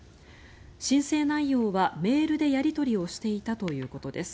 申請内容はメールでやり取りをしていたということです。